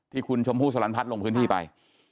ที่คุณชมพู่สลันพัฒน์ลงพื้นที่ไป